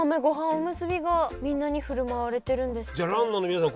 じゃあランナーの皆さん